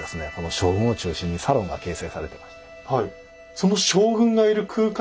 将軍を中心にサロンが形成されていました。